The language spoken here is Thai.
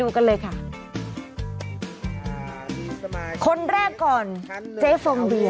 คนแรกก่อนเจฟองเบียน